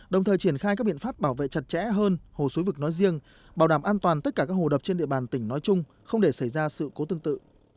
đồng thời triển khai các biện pháp bảo vệ chặt chẽ hơn hồ xúi vực nói riêng bảo đảm an toàn tất cả các hồ đập trên địa bàn tỉnh nói chung không để xảy ra sự cố tương tự